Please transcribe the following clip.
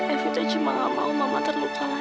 evita cuma nggak mau mama terluka lagi